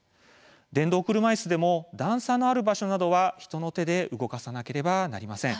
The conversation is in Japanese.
電動車いすでも段差のある場所などは人の手で動かさなければなりません。